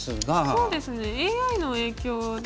そうですねＡＩの影響ですかね。